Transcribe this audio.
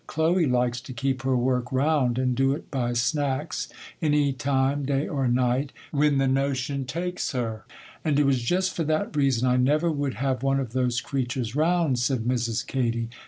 Chloe likes to keep her work 'round, and do it by snacks, any time, day or night, when the notion takes her.' 'And it was just for that reason I never would have one of those creatures 'round,' said Mrs. Katy. 'Mr.